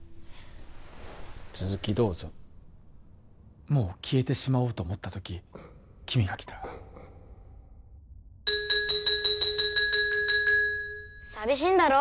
続きどうぞもう消えてしまおうと思った時君が来た寂しいんだろ？